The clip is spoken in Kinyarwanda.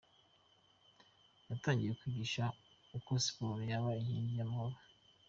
Yatangiye kwigisha uko siporo yaba inkingi y’amahoro.